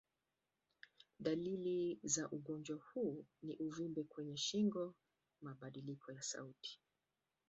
Dalili za ugonjwa huu ni uvimbe kwenye shingo, mabadiliko ya sauti.